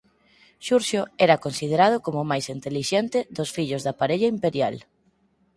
Xurxo era considerado como o máis intelixente dos fillos da parella imperial.